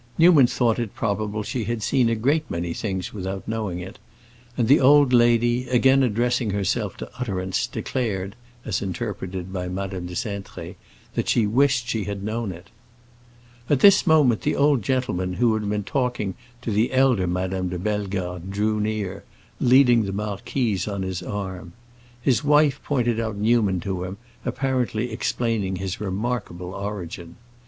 Newman thought it probable she had seen a great many things without knowing it; and the old lady, again addressing herself to utterance, declared—as interpreted by Madame de Cintré—that she wished she had known it. At this moment the old gentleman who had been talking to the elder Madame de Bellegarde drew near, leading the marquise on his arm. His wife pointed out Newman to him, apparently explaining his remarkable origin. M.